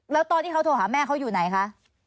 แล้วตอนที่เขาโทรหาแม่เขาอยู่ไหนคะ